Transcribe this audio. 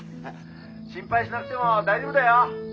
心配しなくても大丈夫だよ。